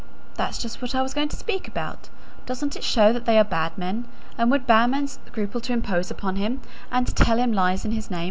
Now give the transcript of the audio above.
"That's just what I was going to speak about. Doesn't it show that they are bad men? and would bad men scruple to impose upon him, and to tell lies in his name, and to ruin him?"